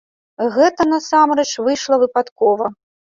Гэта, насамрэч, выйшла выпадкова.